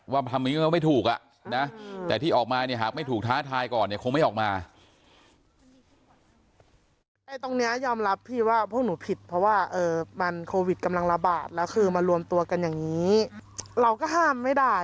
ทำอย่างนี้ก็ไม่ถูกอ่ะนะแต่ที่ออกมาเนี่ยหากไม่ถูกท้าทายก่อนเนี่ยคงไม่ออกมา